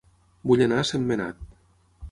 Vull anar a Sentmenat